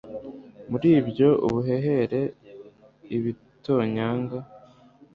Muri byo ubuhehere ibitonyanga